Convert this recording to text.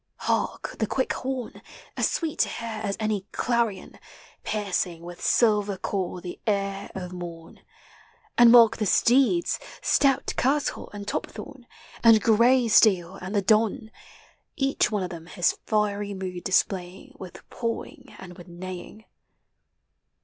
Hark ! the quick horn — As sweet to hear as any clarion — Piercing with silver call the ear of morn; And mark the steeds, stout Curtal and Topthorne, And Greysteil and the Don — Each one of them his fiery mood displaying With pawing and witli neighing.